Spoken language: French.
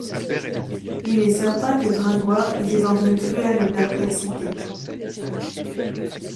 Il est certain que Gringoire était dans une cruelle perplexité.